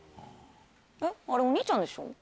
えっあれお兄ちゃんでしょ？